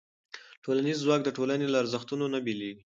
ټولنیز ځواک د ټولنې له ارزښتونو نه بېلېږي.